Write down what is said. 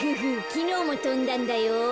きのうもとんだんだよ。